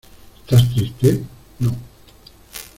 ¿ estás triste? no.